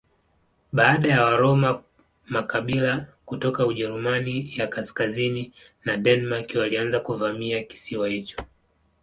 Baada ya Waroma makabila kutoka Ujerumani ya kaskazini na Denmark walianza kuvamia kisiwa hicho.